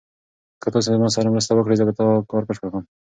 که تاسي ما سره مرسته وکړئ زه به دا کار بشپړ کړم.